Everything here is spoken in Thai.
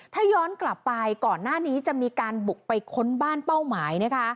ถ้าย้อนกลับไปก่อนหน้านี้จะมีการบุกไปค้นบ้านเป้าหมายนะคะ